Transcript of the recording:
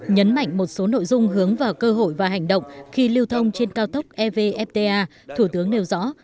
nhấn mạnh một số nội dung hướng vào cơ hội và hành động khi lưu thông trên cao tốc evfta thủ tướng nêu rõ